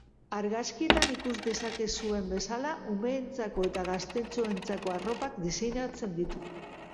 Argazkietan ikus dezakezuen bezala, umeentzako eta gaztetxoentzako arropak diseinatzen ditu.